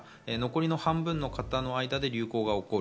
残りの半分の方の間で流行が起こる。